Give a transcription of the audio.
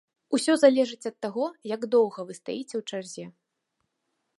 Усё залежыць ад таго, як доўга вы стаіце ў чарзе.